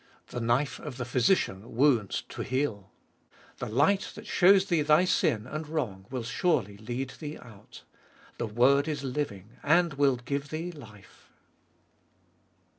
The knife of the physician wounds to heal. Trie light that shows thee thy sin and wrong will surely lead thee out. The word is living and will give thee life.